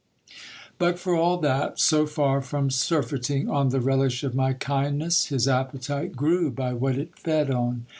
But for all that, so far from sur feiting on the relish of my kindness, his appetite grew by what it fed on.